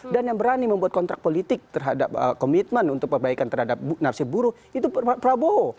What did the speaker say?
dan yang berani membuat kontrak politik terhadap komitmen untuk perbaikan terhadap nafsi buruh itu prabowo